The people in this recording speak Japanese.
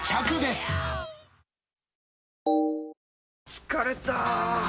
疲れた！